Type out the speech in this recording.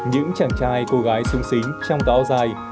những chàng trai cô gái sung sính trong tàu dài